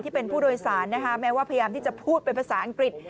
เป็นผู้โดยสารนะคะแม้ว่าพยายามที่จะพูดเป็นภาษาอังกฤษ